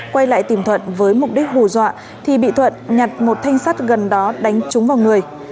quay lại tìm thuận với mục đích hù dọa thì bị thuận nhặt một thanh sắt gần đó đánh trúng vào người